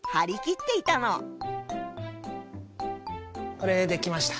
これできました。